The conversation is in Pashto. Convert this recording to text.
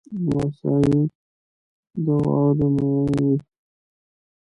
لمسی د واورې مین وي.